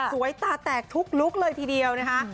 ตาแตกทุกลุคเลยทีเดียวนะคะ